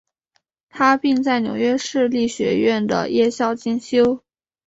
他并在纽约市立学院的夜校进修。